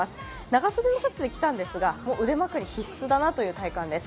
長袖のシャツを着たんですが腕まくり必須だなという体感です。